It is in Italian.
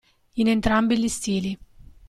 In entrambi gli stili.